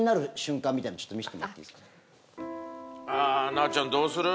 奈緒ちゃんどうする？